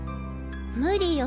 無理よ。